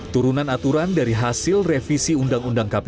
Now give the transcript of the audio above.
turunan aturan dari hasil revisi undang undang kpk